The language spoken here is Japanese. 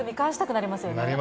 なりますね。